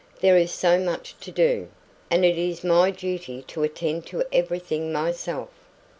There is so much to do, and it is my duty to attend to everything myself.